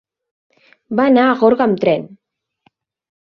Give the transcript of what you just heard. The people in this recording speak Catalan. Va anar a Gorga amb tren.